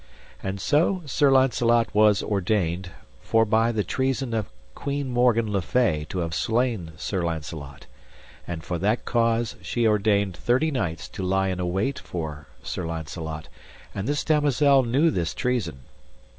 And so Sir Launcelot was ordained, for by the treason of Queen Morgan le Fay to have slain Sir Launcelot, and for that cause she ordained thirty knights to lie in await for Sir Launcelot, and this damosel knew this treason.